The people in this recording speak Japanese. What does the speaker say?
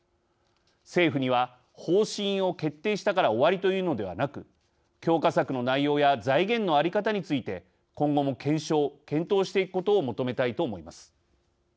政府には方針を決定したから終わりというのではなく強化策の内容や財源の在り方について今後も検証検討していくことを求めたいと思います。